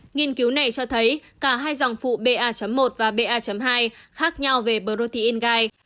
nghiên cứu này cho thấy cả hai dòng phụ ba một và ba hai khác nhau về protein gai